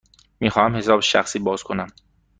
می خواهم حساب شخصی باز کنم.